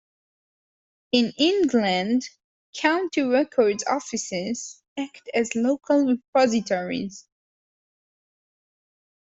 In England, County Record Offices act as local repositories.